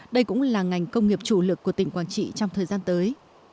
đây cũng là ngành công nghiệp chủ lực của tỉnh quảng trị